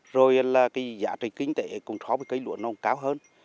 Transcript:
rồi là giá trị kinh tế cũng khó với cây lụa nông cao hơn